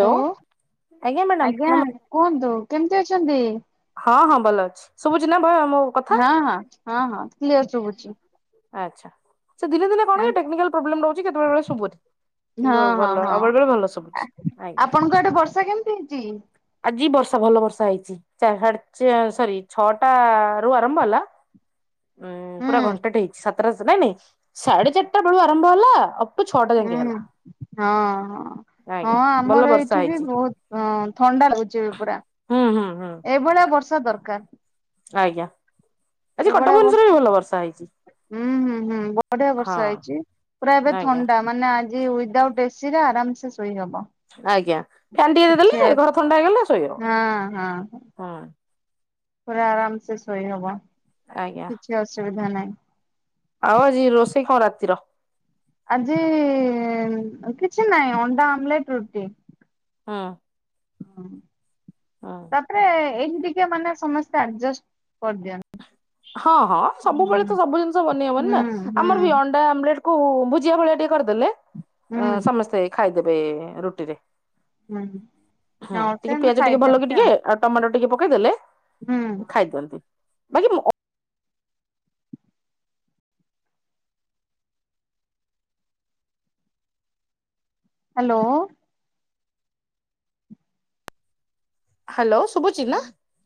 Hello hello madam ଆଜ୍ଞା ନମ କୁହନ୍ତୁ କେମତି ଅଛନ୍ତି? ହଁ ହଁ ଭଲ ଅଛି ଶୁଭୁଛିିନା ଭୟ ମୋ? କଥା? ହଁ ହଁ ହଁ ହଁ କ୍ଲିୟର ଶୁଭୁଛି। ଆଚ୍ଛା ସେ ଦିନେ ଦିନେ ହଁ କଣକି ଟେକ୍ନିକାଲ ପ୍ରୋବ୍ଲେମ୍ ରହୁଛି କେତେବେଳେବେଳେ ଶୁଭୁନି। କିନ୍ତୁ ହଁ ହଁ ଭଲ ଆଉ ହଁ। ବେଳେ ବେଳେ ଭଲ ଶୁଭୁଛି ଆଜ୍ଞା। ଆପଣଙ୍କ ଆଡେ ବର୍ଷା କେମିତି ହେଇଛି? ଆଜି ବର୍ଷା ଭଲ ବର୍ଷା ହେଇଛି। ସାଢେ ଚା ସରି ଛଅଟା ରୁ ଆରମ୍ଭ ହେଲା। ଉଁ ପୁରା ହୁଁ ଘଣ୍ଟାଟେ ହେଇଛି ସାତଟା ସେ ନାଇଁ ନାଇଁ ସାଢେ ଚାରିଟା ବେଳୁ ଆରମ୍ଭ ହେଲା ଆ ଉଁ ହଁ ହଁ। ହଁ ଆଜ୍ଞା ଭଲ ଆମର ବର୍ଷା ଏଇଠି ବି ହେଇଛି। ବହୁତ ଥଣ୍ଡା ଲାଗୁଛି ଏବେ ପୁରା। ହୁଁ ହୁଁ ହୁଁ ଏଭଳିଆ ବର୍ଷା ଦରକାର। ଆଜ୍ଞା। ଆଜି କଟକ ଏଭଳିଆ ଭୁବନେଶ୍ୱରରେ ବି ଭଲ ହେଇଛି। ବର୍ଷା ହୁଁ ହୁଁ ହୁଁ ବ ବଢିଆ ହଁ ବର୍ଷା ହେଇଛି ପୁରା ଏବେ ଆଜ୍ଞା ଥଣ୍ଡା ମାନେ ଆଜି ୱିଦାଉଟ୍ ଏସିରେ ଆରାମ୍ ସେ ଶୋଇହବ। ଆଜ୍ଞା ଫ୍ୟାନ୍ ଟିକେ ଦେଇଦେଲେ ଘର ଥଣ୍ଡା ହେଇଗଲା ଶୋଇବ ହଁ ହଁ ହଁ। ପୁରା ଆରାମ୍ ସେ ଶୋଇହବ। ଆଜ୍ଞା। କିଛି ଅସୁବିଧା ନାହିଁ। ଆଉ ଆଜି ରୋଷେଇ କଣ ରାତି ର? ଆଜି କିଛି ନାହିଁ ଅଣ୍ଡା ଆମଲେଟ୍ ରୁଟି। ହଁ। ହଁ। ହଁ। ତାପରେ ଏଇଠି ଟିକେ ମାନେ ସମସ୍ତେ ଆଡଜଷ୍ଟ କରିଦିଅନ୍ତି। ହଁ ହଁ ସବୁବେଳେ ହୁଁ। ତ ସବୁ ଜିନିଷ ବନେଇ ହବନି ହୁଁ ନା ହୁଁ ଆମର ବି ଅ ଅଟା ଆମଲେଟ୍ କୁ ଭୁଜିଆ ଭଳିଆ ଟିକେ କରିଦେଲେ ହୁଁ ସମସ୍ତେ ଖାଇଦେବେ ରୁଟିରେ। ହୁଁ। ହଁ ଟିକେ ପିଆଜ ଟିକେ ଭଲ କି ଟିକେ ଆଉ ଟମାଟୋ ଟିକେ ପକେଇଦେଲେ ହୁଁ ଖାଇଦିଅନ୍ତି। ବାକି ମୋ ହ୍ୟାଲୋ। ହ୍ୟାଲୋ ଶୁଭୁଚି ନା?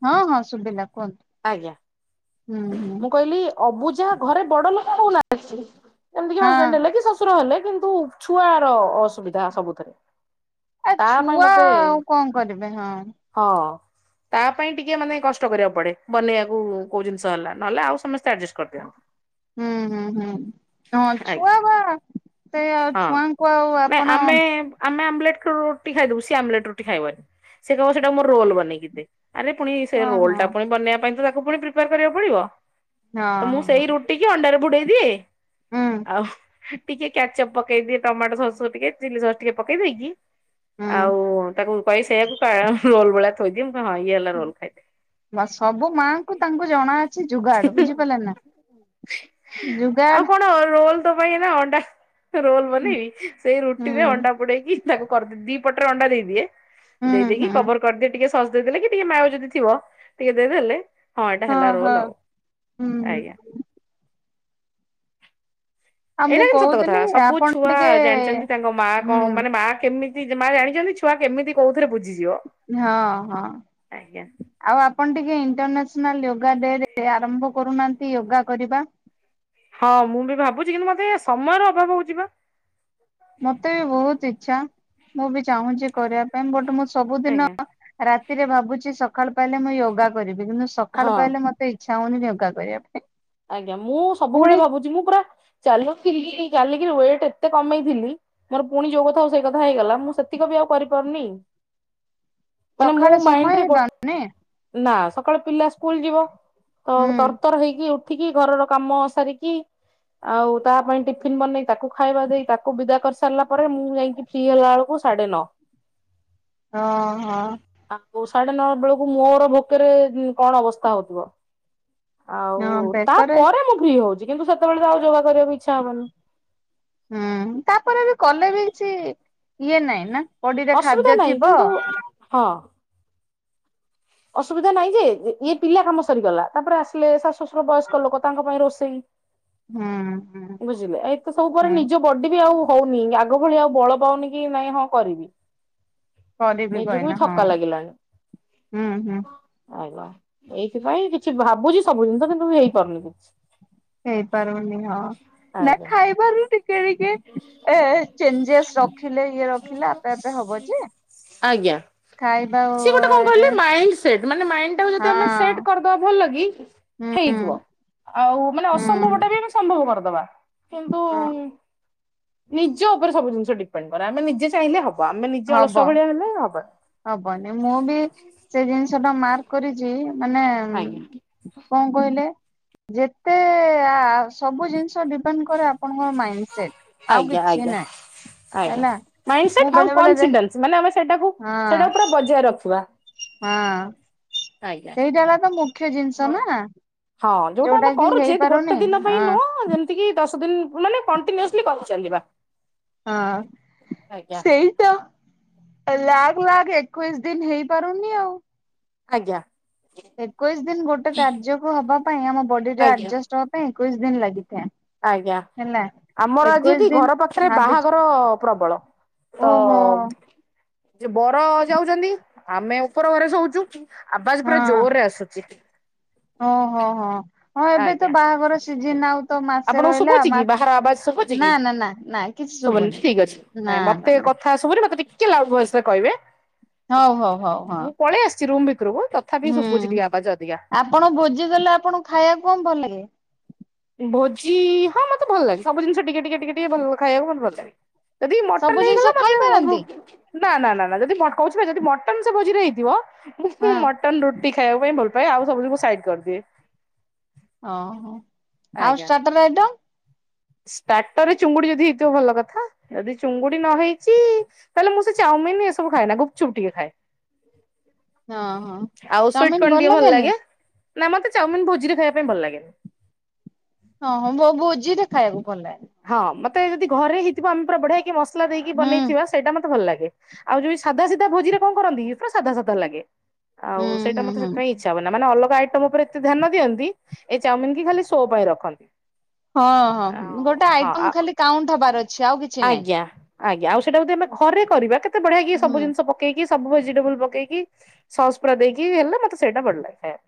ହଁ ହଁ ଶୁଭିଲା କୁହନ୍ତୁ। ଆଜ୍ଞା ହୁଁ ହୁଁ। ମୁଁ କହିଲି ଅବୁଝା ଘରେ ବଡ ଲୋକ ହଉନା ଯେମିତି କି ହଁ ହଜବେଣ୍ଡ ହେଲେ କି ଶଶୁର ହେଲେ କିନ୍ତୁ ଛୁଆର ଅସୁବିଧା ସବୁଥିରେ। ଆ ତା ପାଇଁ ଛୁଆ ମତେ ଆଉ କଣ କରିବେ ହଁ। ହଁ ତା ପାଇଁ ଟିକେ ମାନେ କଷ୍ଟ କରିବାକୁ ପଡେ। ବନେଇବାକୁ କୋଉ ଜିନିଷ ହେଲା ନହେଲେ ଆଉ ସମସ୍ତେ ଆଡଜଷ୍ଟ କରିଦିଅ। ହୁଁ ହୁଁ ହୁଁ। ହଁ ଛୁଆ ଆଜ୍ଞା। ବା ସେ ଆଉ ହଁ ଛୁଆଙ୍କୁ ଆଉ ନାଇଁ ଆପଣ ଆମେ ଆମେ ଆମଲେଟ ରୁଟି ଖାଇଦବୁ ସିଏ ଆମଲେଟ ରୁଟି ଖାଇବନି, ସେ କହିବ ସେଇଟା ମୋ ରୋଲ ବନେଇକି ଦେ। ଆରେ ପୁଣି ସେ ରୋଲ ହଁ ଟା ପୁଣି ବନେଇବା ପାଇଁ ତ ତାକୁ ପୁଣି ପ୍ରିପେୟାର କରିବାକୁ ପଡିବ, ହଁ ତ ମୁଁ ସେଇ ଟିକି ଅଣ୍ଡାରେ ବୁଡେଇ ଦିଏ ହଁ ହୁଁ ଆଉ ଟିକେ କ୍ୟାଚଅପ୍ ପକେଇଦିଏ, ଟମାଟୋ ସସ୍ ଟିକେ ଚିଲି ସସ୍ ଟିକେ ପକେଇ ଦେଇକି ଆଉ ହୁଁ ତାକୁ କହି ସେଇଆକୁ କ ରୋଲ ଭଳିଆ ଥୋଇଦିଏ ମୁ ହଁ ଇଏ ହେଲା ରୋଲ ଖାଇଦେ। ମାସ ସବୁ ମାଙ୍କୁ ତାଙ୍କୁ ଜଣା ଅଛି ଯୁଗାଡ ବୁଝିପାରିଲେ ନା ଆଉ ଯୁଗାଡ କଣ ରୋଲ ତୋ ପାଇଁ ଏଇନା ଅଣ୍ଡା ରୋଲ ହୁଁ ବନେଇବି, ସେଇ ହୁଁ ରୁଟିରେ ଅଣ୍ଡା ବୁଡେଇକି ତାକୁ କରିଦ ଦି ପଟରେ ଅଣ୍ଡା ଦେଇଦିଏ ହୁଁ ଦେଇ ଦେଇକି ହୁଁ କବର କରିଦି ଟିକେ ସସ୍ ଦେଇ ଦେଲେ କି ଟିକେ ମାୟୋ ଯଦି ଥିବ। ଟିକେ ଦେଇଦେଲେ ହଁ ଏଟା ହେଲା ରୋଲ ଆଉ ହୁଁ ହୁଁ। ଆଜ୍ଞା। ଆଉ ମୁଁ ଏଇଟା କିନ୍ତୁ ସତ କଥା କହୁଥିଲି ସବୁ ଆପଣ ଛୁଆ ଟିକେ ଜାଣିଛନ୍ତି ତାଙ୍କ ମା ହୁଁ କଣ ମାନେ ମା କେମି ମା ଜାଣିଛନ୍ତି ଛୁଆ କେମିତି କୋଉଥିରେ ବୁଝି ହଁ ହଁ। ଆଉ ଆପଣ ଟିକେ ଇଣ୍ଟରନ୍ୟାସନାଲ ୟୋଗା ଡେ ରେ ଆରମ୍ଭ କରୁନାହାନ୍ତି ୟୋଗା କରିବା। ହଁ ମୁଁ ବି ଭାବୁଛି କିନ୍ତୁ ମତେ ସମୟର ଅଭାବ ହଉଛି ବା। ମତେ ବି ବହୁତ ଇଛା ମୁଁ ବି ଚାହୁଁଛି କରିବା ପାଇଁ ବଟ ମୁଁ ସବୁଦିନ ଆଜ୍ଞା ରାତିରେ ଭାବୁଛି ସକାଳୁ ପାଇଲେ ମୁଁ ୟୋଗା କରିବି କିନ୍ତୁ ସକାଳୁ ହଁ। ପାଇଲେ ମତେ ଇଛା ହଉନି ୟୋଗା କରିବା ପାଇଁ। ଆଜ୍ଞା ମୁଁ ସବୁବେଳେ ପୁଣି ଭାବୁଛି ମୁଁ ପୁରା ଚାଲୁଥିଲି ଚାଲିକିରି ୱେଟ୍ ଏତେ କମେଇଥିଲି ମୋର ପୁଣି ଯୋଉ କଥାକୁ ସେଇ କଥା ହେଇଗଲା ମୁଁ ସେତିକ ବି ଆଉ କରିପାରୁନି। ମାନେ ମୁଁ ସକାଳେ ସମୟ ମାଇଣ୍ଡରେ ଗୋ ହେବନି ନା ସକାଳେ ପିଲା ସ୍କୁଲ ଯିବ ତ ହୁଁ ତରତର ହେଇକି ଉ ଠିକି ଘରର କାମ ସାରିକି ଆଉ ତା ପାଇଁ ଟିଫିନ ବନେଇ ତାକୁ ଖାଇବା ଦେଇ ତାକୁ ତାକୁ ବିଦା କରି ସାରିଲା ପରେ ମୁଁ ଯାଇକି ଫ୍ରି ହେଲା ବେଳକୁ ସାଢେ ନଅ। ଓ ହଁ। ଆଉ ସାଢେ ନଅ ବେଳକୁ ମୋର ଭୋକେରେ କଣ ଅବସ୍ଥା ହଉଥିବ। ଆଉ ହଁ ବେକରେ ତାପରେ ମୁଁ ଫ୍ରି ହଉଛି କିନ୍ତୁ ସେତେବେଳେ ତ ଆଉ ଯୋଗା କରିବାକୁ ଇଚ୍ଛା ହବନି। ହୁଁ ତାପରେ ବି କଲେ ବି କିଛି ଇଏ ନାଇଁ ନା ବଡିରେ ଅସୁବିଧା ଖାଦ୍ୟ ନାହିଁ ଥିବ କିନ୍ତୁ ହଁ। ଅସୁବିଧା ନାଇଁ ଯେ ଇଏ ପିଲା କାମ ସରିଗଲା ତାପରେ ଆସିଲେ ସାଶ ବୟସ୍କ ଲୋକ ତାଙ୍କ ପାଇଁ ରୋଷେଇ ହୁଁ ହୁଁ ବୁଝିଲେ ଏତେ ସବୁ ପରେ ହୁଁ ନିଜ ବଡ ବିି ଆଉ ହଉନି ଆଗ ଭଳି ଆଉ ବଳ ପାଉନି କି ନାଇଁ ହଁ କରିବି। କରିବି ନିଜୁ କୁ ବି କହିନା ହଁ ଥକା ଲାଗିଲାଣି। ହୁଁ ହୁଁ। ଏଇଥିପାଇଁ କିଛି ଭାବୁଛି ସବୁ ଜିନିଷ କିନ୍ତୁ ହେଇପାରୁନି କିଛି। ହେଇପାରୁନି ହଁ ନା ଆଜ୍ଞା ଖାଇବାରୁ ଟିକେ ଟିକେ ଏ ଚେଞ୍ଜେସ ରଖିଲେ ଇଏ ରଖିଲେ ଆପେ ଆପେ ହବ ଯେ। ଆଜ୍ଞା ଖାଇବା ସିଏ ଗୋଟେ କଣ ରେ କହିଲେ ମାଇଣ୍ଡ ସେଟ ମାନେ ମାଇଣ୍ଡ ଟାକୁ ଯଦି ଆମେ ସେଟ୍ କରିଦବା ଭଲ କି ହେଇଯିବ ହୁଁ ଆଉ ମାନେ ଅସମ୍ଭବ ଟା ହୁଁ ବି ଆମେ ସମ୍ଭବ କରିଦବା। କିନ୍ତୁ ନିଜ ଉପରେ ସବୁ ଜିନିଷ ଡିପେଣ୍ଡ କରେ ଆମେ ନିଜେ ଚାହିଁଲେ ହବ। ଆମେ ନିଜେ ଅଳସୁଆ ହବ ଭଳିଆ ହେଲେ ହବନି। ହବନି ମୁଁ ବି ସେ ଜିନିଷ ଟା ମାର୍କ କରିଛି ମାନେ ଆଜ୍ଞା କଣ କହିଲେ ଯେତେ ଆ ସବୁ ଜିନିଷ ଦିପେଣ୍ଡ କରେ ଆପଣଙ୍କର ମାଇଣ୍ଡ ସେଟ ଆଉ ଆଜ୍ଞା କିଛି ଆଜ୍ଞା ନାହିଁ। ଆଜ୍ଞା ହେଲା ମାଇଣ୍ଡ ମୁଁ ସେଟ ଆଉ ବେଳେ ବେଳେ ଦେ କନସିଡେନ୍ସ ଆମେ ସେଟାକୁ ହଁ ସେଟା ପୁରା ବଜାୟ ରଖିବା। ହଁ ଆଜ୍ଞା। ସେଇଟା ହେଲା ତ ମୁଖ୍ୟ ଜିନିଷ ନା। ହଁ ଯୋଉଟା ଆମେ କି କରୁଛେ ହେଇପାରୁନି ଗୋଟେ ଦିନ ପାଇଁ ହଁ ନୁହଁ ଯେମତି କା ଦଶ ଦିନ ମାନେ କଣ୍ଟିନିୟୁସଲି କରିଚାଲିବା। ହଁ ସେଇ ତ ଲାଗ ଲାଗ ଏକୋଇଶ ଦିନ ହେଇପାରୁନି ଆଉ। ଆଜ୍ଞା। ଏକୋଇଶି ଦିନ ଗୋଟେ କାର୍ଯ୍ୟକୁ ହବା ପାଇଁ ଆମ ବଡି ଟା ଆଜ୍ଞା ଆଡଜଷ୍ଟ ହବା ପାଇଁ ଏକୋଇଶି ଦିନ ଲାଗିଥାଏ। ଆଜ୍ଞା ହେଲା ଆମର ଆଜି ଏକୋଇଶି ଏଠି ଦିନ ଘର ପାଖରେ ଭାବିଛି ବାହାଘର ପ୍ରବଳ। ଓହୋ ତ- ଯେ ବର ଯାଉଛନ୍ତି ଆମେ ଉପର ଘରେ ଶୋଉଛୁ ଆବାଜ ପୁରା ଜୋର ରେ ଆସୁଛି। ଓ ହୋ ହୋ। ହଁ ଏବେ ତ ଆଜ୍ଞା ବାହାଘର ସିଜିନ ଆଉ ତ ମାସେ ଆପଣଙ୍କୁ ରହିଲା ଶୁଭୁଛି କି ମାସେ ବାହାର ଆବାଜ ଶୁଭୁଛି ନା କି? ନା ନା ନାଇଁ। କିଛି ଶୁଭୁନି ଠିକ୍ ଅଛି। ନା ନାଇଁ ମତେ ନା ନା। କଥା ଶୁଭୁନି ମତେ ଟିକେ ଲାଉଡ ଭଏସରେ କହିବେ ହଉ ହଉ ହଉ ହଁ ମୁଁ ପଳେଇ ଆସିଛି ରୁମ ଭିତରକୁ ତଥାପି ହୁଁ ଶୁଭୁଛି ଟିକେ ଆବାଜ ଅଧିକା। ଆପଣ ଭୋଜି ଦେଲେ ଆପଣଙ୍କୁ ଖାଇବାକୁ କଣ ଭଲ ଲାଗେ? ଭୋଜି ହଁ ମତେ ଭଲ ଲାଗେ ସବୁ ଜିନିଷ ଟିକେ ଟିକେ ଟିକେ ଟିକେ ଭଲ ଖାଇବାକୁ ମତେ ଭଲ ଲାଗେ। ଯଦି ସବୁ ମଟନ ଜିନିଷ ହେଇଗଲା ଖାଇପାରନ୍ତି ମତେ। ନା ନା ନା ନା ଯଦି କହୁଛି ଯଦି ମଟନ ସେ ଭୋଜିରେ ହେଇଥିବ ମୁଁ ହଁ। ମଟନ ରୁଟ ଟି ଖାଇବା ପାଇଁ ଭଲ ପାଏ ଆଉ ସବୁଁ ସାଇଡ କରିଦିଏ। ଓହୋ ଆଉ ଆଜ୍ଞା। ସ୍ଟାଟର ଆଇଟମ? ଷ୍ଟାର୍ଟରରେ ଚୁଙ୍ଗୁଡି ଯଦି ହେଇଥିବ ଭଲ କଥା ଯଦି ଚୁଙ୍ଗୁଡି ନ ହେଇଛି ତାହେଲେ ମୁଁ ସେ ଚାଉମିନ ଏସବୁ ଖାଏ ନା ଗୁପଚୁପ ଟିକେ ଖାଏ। ହଁ ହଁ। ଆଉ ସୁଇଟ୍ ଚାଉମିିନ କନ ଟିକେ ଭଲ ଲାଗେନି ଲାଗେ। ନା ମତେ ଚାଉମିନ ଭୋଜିରେ ଖାଇବା ପାଇଁ ଭଲ ଲାଗେନି। ହଁ ହଁ ବୋ ଭୋଜିଟା ଖାଇବାକୁ ଭଲ ଲାଗେ। ହଁ ମତେ ଯଦି ଘରେ ହେଇଥିବ ଆମେ ପୁରା ବଢିଆ କିି ମସଲା ଦେଇକି ହୁଁ। ବନେଇଥିବା ସେଇଟା ମତେ ଭଲ ଲାଗେ। ଆଉ ଯଉ ସାଧା ସିଧା ଭୋଜିରେ କଣ କରନ୍ତି ପୁରା ସାଧା ସାଧା ଲାଗେ। ହୁଁ ଆଉ ହୁଁ ସେଇଟା ମତେ ହୁଁ ସେଥିପାଇ ଇଛା ହୁଏନା ମାନେ ଅଲଗ ଆଇଟମ ଉପରେ ଏତେ ଧ୍ୟାନ ଦିଅନ୍ତି ଏଇ ଚାଉମିିନ କି ଖାଲି ସୋ ପାଇଁ ରଖନ୍ତି। ହଁ ହଁ ଆଉ ଗୋଟେ ହଁ ଆଇଟମ ଖାଲି କାଉଣ୍ଟ ହବାର ଅଛି ଆଉ କିଛି ନହିଁ। ଆଜ୍ଞ ଆଉ ସେଇଟା ଯଦି ଘରେ କରିବା କେତେ ବଢିଆକି ହୁଁ। ସବୁ ଜିନିଷ ପକେଇକି ସବୁ ଭେଜିଟେବଲ ପକେଇକି ସସ୍ସ ପୁରା ଦେଇକି ହେଲେ ମତେ ସେଇଟା ଭଲ ଲାଗେ। ହଁ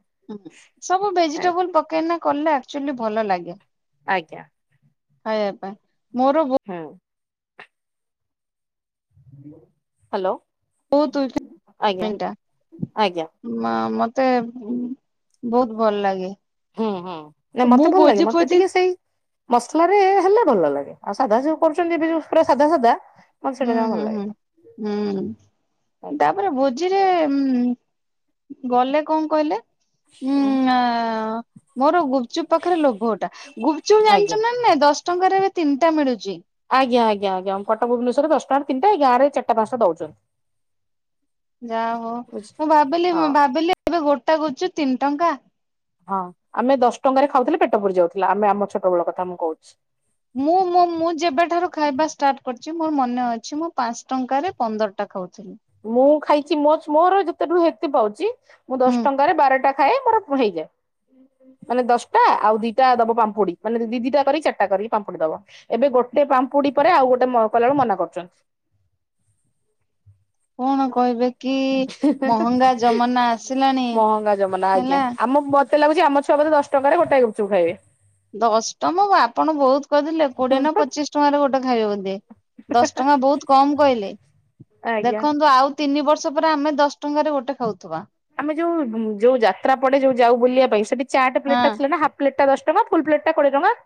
ସବୁ ଭେଜିଟେବୁଲ ପକେଇ କଲେ ଆକଚୁଆଲି ଭଲ ଲାଗେ। ଆଜ୍ଞା। ଖାଇବା ପାଇଁ ମୋର ବୋ- ହଁ। ହାଲୋ। [unintelligible] ଆଜ୍ଞା ନା ମତେ ବହୁତ ଭଲ ଲାଗେ। ହୁଁ ହୁଁ ନା ମୁଁ ମତେ ଭଲ ଲାଗେ ଭୋଜି ମତେ ଫୋଜି ଟିକେ ସେଇ ମସଲାରେ ହେଲେ ଭଲ ଲାଗେ ଆଉ ସାଧା ସବୁ କରୁଛନ୍ତି ଏବେ ଯଉ ପୁରା ସାଧା ସାଧା ମତେ ହୁଁ ସେଇଟା ଜମା ଭଲ ହୁଁ ହୁଁ ଲାଗେନା ହୁଁ ଆଜ୍ଞା ତାପରେ ଭୋ ଝିରେ ଗଲେ କଣ କହିଲେ ଉ ଅ ଅ ଅ। ମୋର ଗୁପଚୁପ ପାଖରେ ଲୋଭଟା ଗୁପଚୁପ ଆଜ୍ଞା ଜାଣିଛ ନା ନାଇଁ ଦଶ ଟଙ୍କାରେ ଏବେ ତିନିଟା ମିଳୁଛି। ଆଜ୍ଞା ଆଜ୍ଞା ଆଜ୍ଞା କଟକ ଭୁବନେଶ୍ଵରରେ ଦଶଟଙ୍କାରେ ତିନଟା ଏଇ ଗାଁ ରେ ଚାରିଟା ପାଞ୍ଚଟା ଦଉଛନ୍ତି। ଯା ହଉ ବୁଝିଲେ। ମୁଁ ଭାବିଲି ହଁ ଭାବିଲି ଏବେ ଗୋଟା ଗୁପଚୁପ ତିନ ଟଙ୍କା। ହଁ ଆମେ ଦଶ ଟଙ୍କାରେ ଖାଉଥିଲେ ପେଟ ପୁରି ଯାଉଥିଲା ଆମେ ଆମ ଛୋଟବେଳ କଥା ମୁଁ କହୁଛି। ମୁଁ ମୁଁ ଯେବେଠାରୁ ଖାଇବା ଷ୍ଟାର୍ଟ କରିଛି ମୋର ମନେ ଅଛି ମୁଁ ପାଞ୍ଚ ଟଙ୍କାରେ ପନ୍ଦରଟା ଖାଉଥିଲି। ମୁଁ ଖାଇଛି ମୋ ମୋର ଯେତେଠୁ ହେ୍ତତି ପାଉଛି ମୁଁ ହୁଁ ଦଶ ଟଙ୍କାରେ ବାରଟା ଖାଏ ମୋର ହେଇଯାଏ। ମାନେ ଦଶଟା ଆଉ ଦିଟା ଦବ ପାମ୍ପୁଡି ମାନେ ଦି ଦିଟା କରି ଚାରିଟା କରି ପାମ୍ପୁଡି ଦବ। ଏବେ ଗୋଟେ ପାମ୍ପୁଡି ପରେ ଆଉ ଗୋଟେ ମ କଲାବେଳୁ ମନା କରୁଛନ୍। କଣ ଆଉ କହିବେ? କି ମହଙ୍ଗା ଜମାନା ଆସିଲାଣି ମହଙ୍ଗା ଜମାନା ଆଜ୍ଞା ହେଲା। ଆମ ମ ସେ ଲାଗୁଛି ଆମ ଛୁଆ ବଧେ ଦଶ ଟଙ୍କାରେ ଗୋଟେ ଗୁପଚୁପ ଖାଇବେ। ଦଶ ଟମ ଆପଣ ବହୁତ କହିଦେଲେ। କୋଡିଏ ନା ପଚିଶ ଟଙ୍କାରେ ଗୋଟେ ଖାଇବେ ବଧେ। ଦଶ ଟଙ୍କା ବହୁତ କମ କହିଲେ। ଆଜ୍ଞା। ଦେଖନ୍ତୁ ଆଉ ତିନି ବର୍ଷ ପରେ ଆମେ ଦଶ ଟଙ୍କାରେ ଗୋଟେ ଖାଉଥିବା। ଆମେ ଯୋଉ ଉଁ ଯୋଉ ଯାତ୍ରା ପଡେ ଯୋଉ ଯାଉ ବୁଲିବା ପାଇଁ ସେଠି ଚାଟ ପ୍ଲେଟ ଟା ହଁ ଥିଲା ନା ହାଫ ପ୍ଲେଟଟା ଦଶ ଟଙ୍କା ଫୁଲ ପ୍ଲେଟ ଟା କୋଡେ ଟଙ୍କା।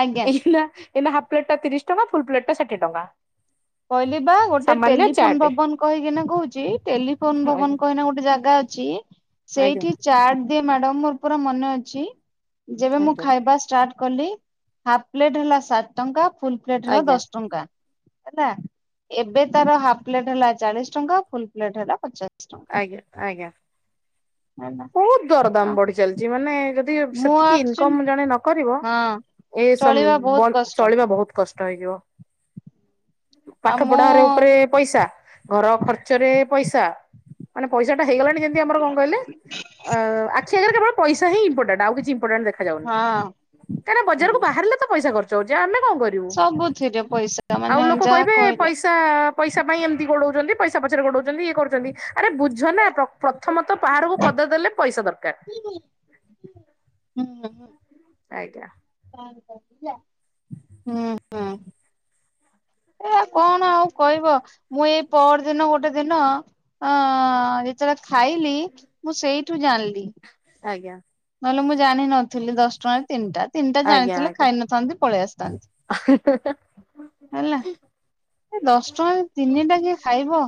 ଆଜ୍ଞା। ଏଇନା ଏନା ହାଫ ପ୍ଲେଟ୍ ଟା ତିରିଶ ଟଙ୍କା ଫୁଲ ପ୍ଲେଟ ଟା ଷାଠଏ ଟଙ୍କା। କହିଲି ବା ଗୋଟେ ସାମାନ୍ୟ ଟେଲିଫୋନ ଚାଟେ ଭବନ କହିକିନା କହୁଛି ଟେଲିଫୋନ ଆଜ୍ଞା ଭବନ କହିନା ଗୋଟେ ଜାଗା ଅଛି। ଆଜ୍ଞା ସେଇଠି ଚାଟ ଦିଏ ମ୍ୟାଡମ ମୋର ପୁରା ମନେ ଅଛି ଯେବେ ମୁଁ ଆଜ୍ଞା ଖାଇବା ଷ୍ଟାର୍ଟ କଲି। ହାଫ ପ୍ଲେଟ ହେଲା ସାତ ଟଙ୍କା, ଫୁଲ ପ୍ଲେଟ ହେଲା ଆଜ୍ଞା ଦଶ ଟଙ୍କା। ହେଲା। ଏବେ ତାର ହାଫ ପ୍ଲେଟ ହେଲା ଚାଳିଶ ଟଙ୍କା ଫୁଲ ପ୍ଲେଟ ହେଲା ପଚାଶ ଟଙ୍କ ଆଜ୍ଞା। ହେଲା। ବହୁତ ଦରଦାମ ବଢି ଚାଲିଛି। ମାନେ ଯ ଦି ମୁଁ ସେତିକି ଆକ୍ଚୁଆଲି ଇନକମ୍ ଜଣେ ନକରିବ ହଁ ଏ ସମ ଚଳିବା ବହୁତ ଗନ କଷ୍ଟ ଚଳିବା ବହୁତ କଷ୍ଟ। ଷ୍ଟ ହେଇଯିବ। ଆଉ ପାଠ ପଢା ମୁଁ ରେ ଉପରେ ପଇସା, ଘର ଖର୍ଚ୍ଚ ରେ ପଇସା, ମାନେ ପଇସା ଟା ହେଇଗଲାଣି ଯେ ଅ ଆଖି ଆଗରେ କେବଳ ପଇସା ହିଁ ଇମ୍ପୋର୍ଟାଣ୍ଟ ଆଉ କିଛି ଇମ୍ପୋଟାଣ୍ଟ ଦେଖାଯାଉନି। ହଁ ତାର ବଜାରକୁ ବାହାରିଲେ ତ ପଇସା ଖର୍ଚ ହଉଛି ଆମେ କଣ କରି ସବୁଥିରେ ପଇସା ମାନେ ଯାହା କହିଲେ ତ ପଇସା ପାଇଁ ଏମିତି ଗୋଡଉଛନ୍ତି ପଇସା ପଛରେ ଗୋଡଉଛନ୍ତି ଇଏ କରୁଛନ୍ତି ଆରେ ବୁଝ ନା ପ୍ର ପ୍ରଥମ ତ ପାହାଡ଼କୁ ପଦ ଦେଲେ ପଇସା ଦରକାର। [unintelligible] ହୁଁ ହୁଁ। ଆଜ୍ଞା। ହୁଁ। କଣ ଆଉ କହିବ ମୁଁ ଏଇ ପଅର ଦିନ ଗୋଟେ ଦିନ ଅ ଯେତେବେଳେ ଖାଇଲି ମୁଁ ସେଇଠୁ ଜାଣଲି। ଆଜ୍ଞା। ନହେଲେ ମୁଁ ଜାଣିନଥିଲି ଦଶ ଟଙ୍କାରେ ତିନିଟା। ତିନିଟା ଆଜ୍ଞା ଜାଣିଥିଲେ ଆଜ୍ଞା ଖାଇ ନଥାନ୍ତି ପଳେଇ ଆସିଥାନ୍ତି ହେଲା। ଏ ଦଶ ଟଙ୍କାରେ ତିନି ଟା କିଏ ଖାଇବ?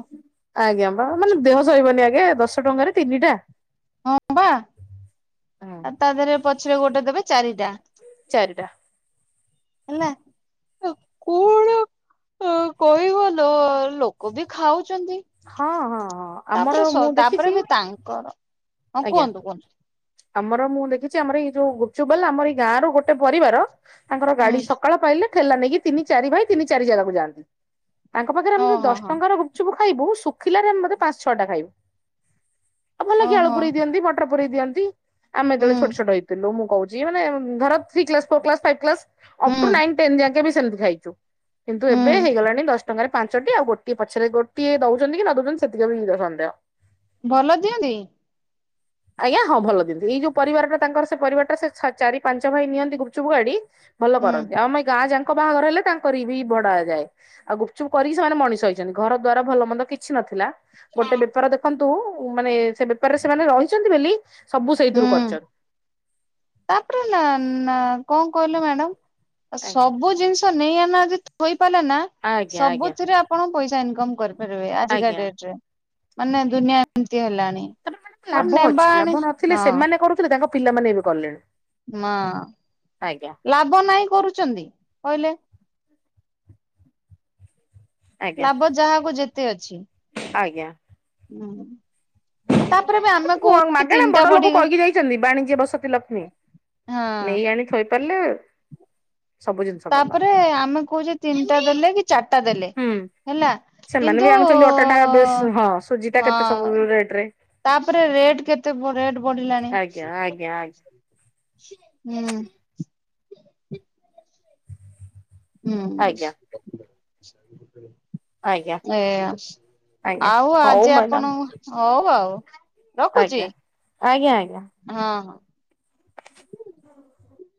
ଆଜ୍ଞା ବା ମାନେ ଦେହ ସହିବନି ଆଜ୍ଞା ଦଶ ଟଙ୍କାରେ ତିନିଟା। ହଁ ବା। ଆଉ ତା ଦେହରେ ପଛରେ ଗୋଟେ ଦେବେ ଚାରିଟା। ଚାରିଟା। ହେଲା ଅ କଣ ଆଉ? ହ କହିବ ଲୋ ଲୋକ ବି ଖାଉଛନ୍ତି। ହଁ ହଁ ହଁ ଆମର ତାପରେ ସ ମୁଁ ଦେଖିଛି ତାପରେ ବି ତାଙ୍କର ହଁ ଆଜ୍ଞା। କୁହନ୍ତୁ କୁହନ୍ତୁ। ଆମର ମୁଁ ଦେଖିଛି ଆମର ଏଇ ଯୋଉ ଗୁପଚୁପ ବାଲା ଆମର ଏଇ ଗାଁ ର ଗୋଟେ ପରିବାର ତାଙ୍କର ହୁଁ ଗାଡି ସକାଳ ପାଇଲେ ଠେଲା ନେଇକି ତିନି ଚାରି ଭାଇ ତିନି ଚାରି ଜାଗାକୁ ଯାଆନ୍ତି। ତାଙ୍କ ପାଖରେ ଆମେ ହଁ ଯଦି ହଁ ଦଶ ହଁ। ଟଙ୍କାର ର ଗୁପଚୁପ ଖାଇବୁ, ଶୁଖିଲାରେ ଆମେ ବଧେ ପାଞ୍ଚ ଛଅ ଟା ଖାଇବୁ। ଆଉ ଭଲ କି ଆଳୁ ଓହୋ ପୁରେଇ ଦିଅନ୍ତି ମଟର ପୁରେଇ ଦିଅନ୍ତି। ଆମେ ହୁଁ ଯେତେବେଳେ ଛୋଟ ଛୋଟ ହେଇଥିଲୁ ମୁଁ କହୁଛି। ଯିଏ ମାନେ ଉଁ ଧର three class, four class, five class up ହୁଁ ଟୁ ନାଇନ ଟେନ୍ ଯାକେ ବି ସେମିତି ଖାଇଛୁ। କିନ୍ତୁ ଏବେ ହୁଁ ହେଇଗଲାଣି ଦଶ ଟଙ୍କାରେ ପାଞ୍ଚଟି ଆଉ ଗୋଟିଏ ପଛରେ ଗୋଟିଏ ଦଉଛନ୍ତି କି ନ ଦଉଛନ୍ତି ସେତିକି ବି ସନ୍ଦେହ। ଭଲ ଦିଅନ୍ତି। ଆଜ୍ଞା ହଁ ଭଲ ଦିଅନ୍ତି ଏଇ ଯୋଉ ପରିବାରଟା ତାଙ୍କର ସେ ପରିବାରଟା ସେ ଚାରି ପାଞ୍ଚ ଭାଇ ନିଅନ୍ତି ଗୁପ୍ ଚୁପ୍ ଗାଡି ଭଲ ହୁଁ କରନ୍ତି ଆଉ ଆମ ଏ ଗାଁ ଯାଙ୍କ ବାହାଘର ହେଲେ ତାଙ୍କର ବି ଭଡା ଯାଏ। ଆଉ ଗୁପଚୁପ୍ କରିକି ସେମାନେ ମଣିଷ ହେଇଚନ୍ତି ଘର ଦ୍ଵାର ଭଲ ମନ୍ଦ କିଛି ନଥିଲା। ଗୋଟେ ବେପାର ଦେଖନ୍ତୁ ମାନେ ସେ ବେପାରରେ ସେମାନେ ରହିଛନ୍ତି ବୋଲି ସବୁ ସେଇଥିରୁ ହୁଁ କରିଚନ୍ତି। ତାପରେ ନା ନା କଣ କହିଲ ମ୍ୟାଡାମ ଆଜ୍ଞା ସବୁ ଜିନିଷ ତ ନେଇ ଆଣି ନା ଯେ ଥୋଇପାରିଲା ନା ଆଜ୍ଞା ଆଜ୍ଞା ସବୁଥିରେ ଆପଣ ପଇସା ଇନକମ୍ କରିବ ଆଜିକା ଆଜ୍ଞା। ଡେଟରେ ମାନେ ଦୁନିଆ ଏମିତି ହେଲାଣି ଭଲ ନେବା ଆଣି ଥିଲେ ହଁ ସେମାନେ କରୁଥିଲେ ତାଙ୍କ ପିଲାମାନେ ଏବେ କଲେଣି। ମା ଆଜ୍ଞା। ଲାଭ ନାଇ କରୁଚନ୍ତି କହିଲେ। ଆଜ୍ଞା ଲାଭ ଯାହାକୁ ଯେତେ ଅଛି। ଆଜ୍ଞା। ହୁଁ। ତାପରେ ବି ଆମେ କହୁଛେ ମାଗଣା ତିନିଟା ବଡ ଲୋକ ବଢିଗଲା କହିକି ଯାଇଚନ୍ତି ବାଣିଜ୍ୟ ବସତି ଲକ୍ଷ୍ମୀ। ହଁ ନେଇ ଆଣି ଥୋଇପାରିଲେ ସବୁ ଜିନିଷ ଭଲ। ତାପରେ ଆମେ କହୁଚେ ତିନିଟା ଦେଲେ କି ଚାରିଟା ଦେଲେ। ହୁଁ ହେଲା ସେମାନେ ବି କିନ୍ତୁ ଆଣୁଛନ୍ତି ଅଟା ଟା ବେଶ ହଁ ସୁଜି ଟା ହଁ। କେତେ ସବୁ ରେଟ ରେ ତାପରେ ରେଟ୍ କେତେ ପ ରେଟ୍ ବଢିଲାଣି। ଆଜ୍ଞା ଆଜ୍ଞା ହୁଁ। ଆଜ୍ଞା ଆଜ୍ଞା ଆଜ୍ଞା ହୁଁ ଏଆ ଆଜ୍ଞା ଆଉ ହଉ ଆଜି ମ୍ୟାଡାମ ଆପଣଙ୍କୁ ହଉ ଆଉ ରଖୁଚି। ଆଜ୍ଞା ହଁ। ହଁ।